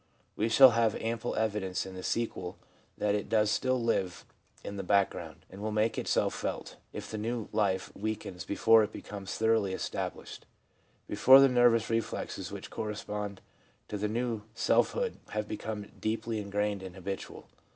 We shall have ample evidence in the sequel that it does still live in the back ground, and will make itself felt, if the new life weakens before it becomes thoroughly established — before the nervous reflexes which correspond to the new self hood have become deeply ingrained and habitual.